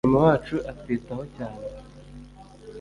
mama wacu atwitaho cyane